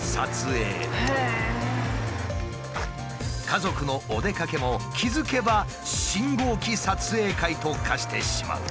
家族のお出かけも気付けば信号機撮影会と化してしまう。